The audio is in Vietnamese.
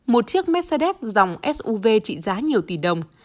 một chiếc mercedes dòng suv trị giá nhiều tỷ đồng